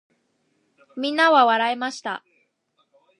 皆は笑いました。